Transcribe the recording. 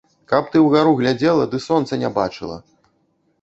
Каб ты ўгару глядзела ды сонца не бачыла!